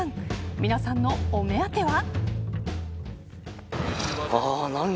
皆さんのお目当ては。